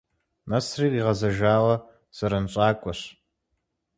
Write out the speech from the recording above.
Нэсри къигъэзэжауэ зэранщӀакӀуэщ.